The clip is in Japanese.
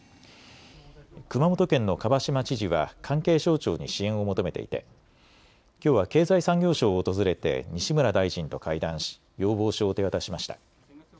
熊本県の蒲島知事は関係省庁に支援を求めていてきょうは経済産業省を訪れて西村大臣と会談し要望書を手渡しました。